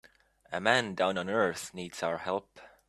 A man down on earth needs our help.